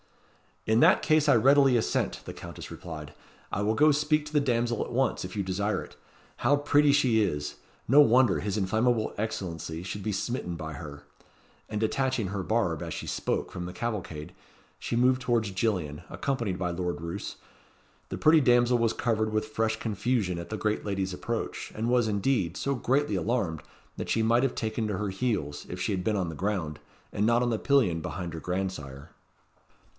"In that case I readily assent," the Countess replied. "I will go speak to the damsel at once, if you desire it. How pretty she is! No wonder his inflammable Excellency should be smitten by her." And detaching her barb, as she spoke, from the cavalcade, she moved towards Gillian, accompanied by Lord Roos. The pretty damsel was covered with fresh confusion at the great lady's approach; and was, indeed, so greatly alarmed, that she might have taken to her heels, if she had been on the ground, and not on the pillion behind her grandsire.